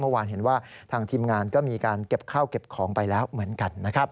เมื่อวานเห็นว่าทางทีมงานก็มีการเก็บข้าวเก็บของไปแล้วเหมือนกันนะครับ